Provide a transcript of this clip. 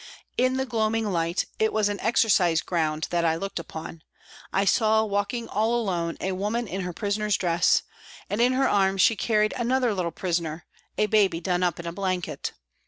In the gloaming light it was an exercise ground that I looked down upon I saw walking round, all alone, a woman in her prisoner's dress, and in her arms she carried another little prisoner, a baby done up in a blanket.